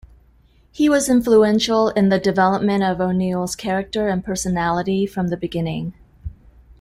He was influential in the development of O'Neill's character and personality from the beginning.